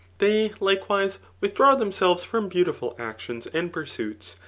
They, likewise, witiidiaw themselves from beautiful actions and pursaits